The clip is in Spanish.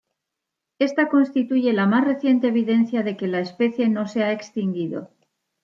Esta constituye la más reciente evidencia de que la especie no se ha extinguido.